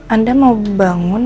anda mau bangun